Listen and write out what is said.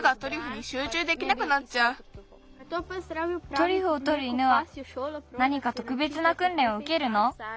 トリュフをとる犬はなにかとくべつなくんれんをうけるの？